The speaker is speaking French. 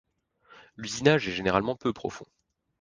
L'usinage est généralement peu profond.